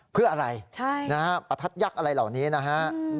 เพื่ออะไรประทัดยักษ์อะไรเหล่านี้นะฮะ